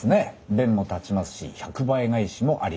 弁も立ちますし１００倍返しもありえます。